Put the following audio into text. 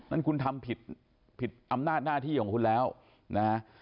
นั่นคุณทำผิดผิดอำนาจหน้าที่ของคุณแล้วนะฮะ